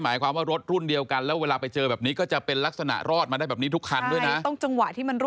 มันอยู่ทับส่วนไหนยังไง